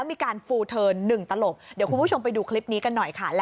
วรินรัฐมากเหลี่ยม